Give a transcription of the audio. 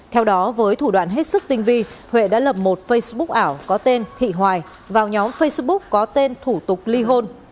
theo đó với thủ đoạn hết sức tinh vi huệ đã lập một facebook ảo có tên thị hoài vào nhóm facebook có tên thủ tục ly hôn